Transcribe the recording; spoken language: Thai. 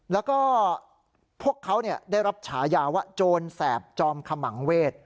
แล้วก็พวกเขาได้รับฉายาว่าโจรแสบจอมขมังเวศ